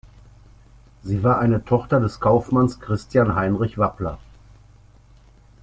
Sie war eine Tochter des Kaufmanns Christian Heinrich Wappler.